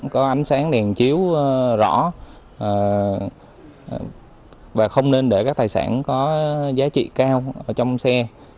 có ánh sáng đèn chiếu rõ và không nên để các tài sản có giá trị cao trong xe